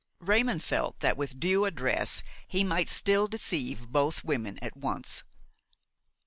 Raymon felt that with due address he might still deceive both women at once.